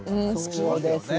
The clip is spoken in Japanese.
そうですよね。